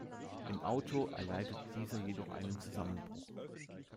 Im Auto erleidet dieser jedoch einen Zusammenbruch.